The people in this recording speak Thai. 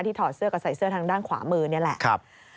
ถอดเสื้อก็ใส่เสื้อทางด้านขวามือนี่แหละ